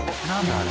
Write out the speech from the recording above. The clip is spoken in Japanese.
あれ。